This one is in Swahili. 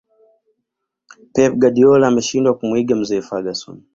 pep guardiola ameshindwa kumuiga mzee ferguson